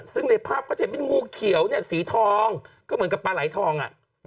ซึ่งในภาพก็จะเห็นงูเขียวเนี่ยสีทองก็เหมือนกับปลาไหลทอง